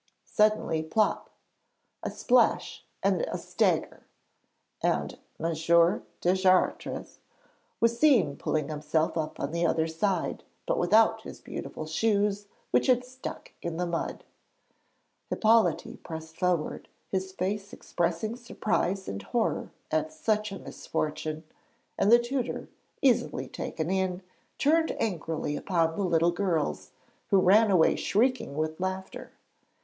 Suddenly plop, a splash, and a stagger! and M. Deschartres was seen pulling himself up on the other side, but without his beautiful shoes, which had stuck in the mud. Hippolyte pressed forward, his face expressing surprise and horror at such a misfortune, and the tutor, easily taken in, turned angrily upon the little girls, who ran away shrieking with laughter.